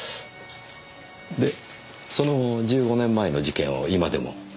でその１５年前の事件を今でも捜査されてる。